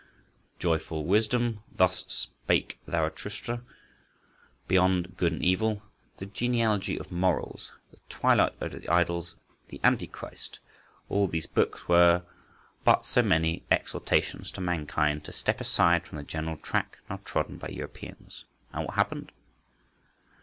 "Joyful Wisdom," "Thus Spake Zarathustra," "Beyond Good and Evil," "The Genealogy of Morals," "The Twilight of the Idols," "The Antichrist"—all these books were but so many exhortations to mankind to step aside from the general track now trodden by Europeans. And what happened?